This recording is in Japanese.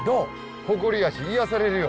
誇りやし癒やされるよ。